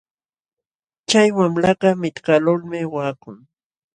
Chay wamlakaq nitkaqlulmi waqakun.